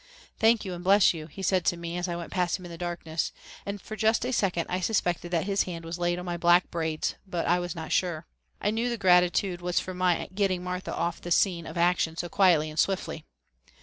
"Thank you, and bless you," he said to me, as I went past him in the darkness, and for just a second I suspected that his hand was laid on my black braids but I was not sure. I knew the gratitude was for my getting Martha off the scene of action so quietly and swiftly.